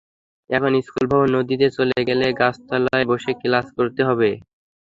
এখন স্কুল ভবন নদীতে চলে গেলে গাছতলায় বসে ক্লাস করতে হবে।